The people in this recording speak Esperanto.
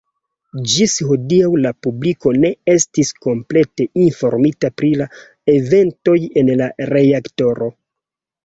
Ĝis hodiaŭ la publiko ne estis komplete informita pri la eventoj en la reaktoro.